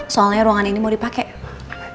soalnya ruangan ini mau dipakai